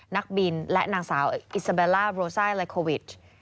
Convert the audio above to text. นักบินและนางสาวอิสเบลล่าโรซ่าไลโควิด